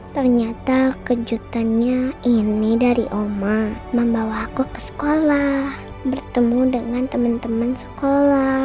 ternyata kejutannya ini dari oma membawa aku ke sekolah bertemu dengan teman teman sekolah